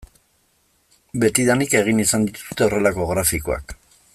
Betidanik egin izan dituzte horrelako grafikoak.